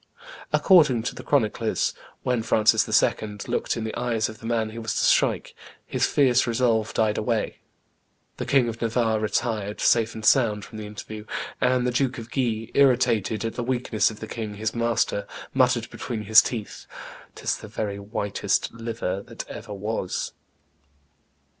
According to the chroniclers, when Francis II. looked in the eyes of the man he was to strike, his fierce resolve died away: the King of Navarre retired, safe and sound, from the interview, and the Duke of Guise, irritated at the weakness of the king his master, muttered between his teeth, "'Tis the very whitest liver that ever was."